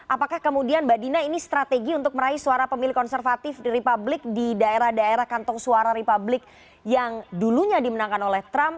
apakah kemudian mbak dina ini strategi untuk meraih suara pemilih konservatif di republik di daerah daerah kantong suara republik yang dulunya dimenangkan oleh trump